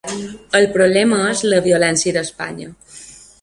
El problema és la violència d’Espanya.